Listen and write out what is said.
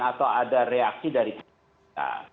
atau ada reaksi dari kita